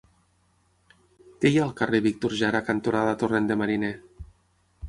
Què hi ha al carrer Víctor Jara cantonada Torrent de Mariner?